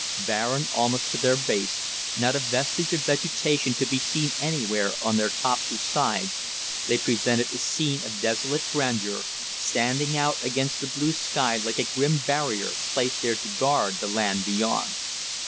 Barren almost to their base, not a vestige of vegetation to be seen anywhere on their tops or sides, they presented a scene of desolate grandeur, standing out against the blue sky like a grim barrier placed there to guard the land beyond.